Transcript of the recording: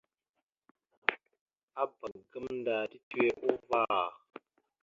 Abak gamənda titewe uvar.